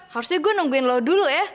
harusnya gue nungguin lo dulu ya